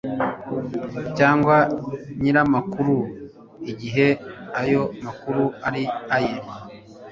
cyangwa nyir amakuru igihe ayo makuru ari aye